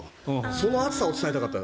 その暑さを伝えたかったの。